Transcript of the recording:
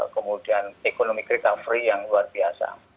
kemudian ekonomi recovery yang luar biasa